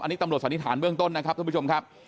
อันนี้ตำรวจสันนิษฐานเบื้องต้นนะครับท่านผู้ชมครับ